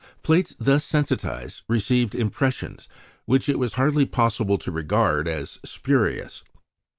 Plates thus sensitised received impressions which it was hardly possible to regard as spurious.